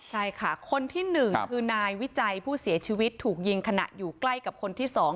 ใช่ค่ะคนที่๑คือนายวิจัยผู้เสียชีวิตถูกยิงขณะอยู่ใกล้กับคนที่๒